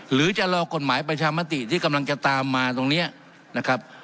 หรือจะรอกฎหมายประชามติที่กำลังจะตามมาตรงนี้นะครับ